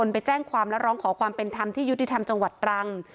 ไปแจ้งความและร้องขอความเป็นธรรมที่ยุติธรรมจังหวัดตรัง